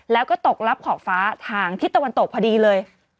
แล้วก็ตกรับขอบฟ้าทางทิศตะวันตกพอดีเลย